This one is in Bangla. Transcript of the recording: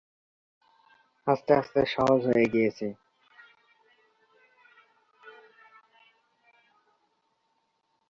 পরে আস্তে আস্তে সহজ হয়ে গিয়েছে।